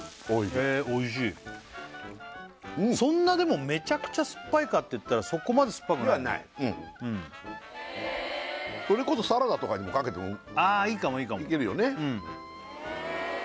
へえおいしいそんなでもめちゃくちゃ酸っぱいかって言ったらそこまで酸っぱくないではないうんそれこそサラダとかにかけてもあいいかもいいかもいけるよね